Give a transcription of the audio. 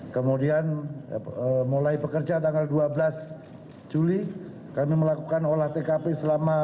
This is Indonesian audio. kemudian mulai pekerja tanggal dua belas juli kami melakukan olah tkp selama